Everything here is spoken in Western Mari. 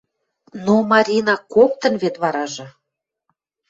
Но, Марина, коктын вет варажы